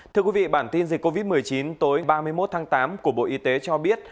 thưa quý vị bản tin dịch covid một mươi chín tối ba mươi một tháng tám của bộ y tế cho biết